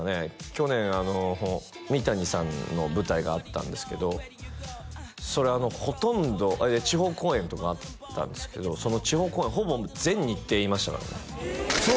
去年あの三谷さんの舞台があったんですけどそれほとんど地方公演とかあったんですけどその地方公演ほぼ全日程いましたからね嘘！？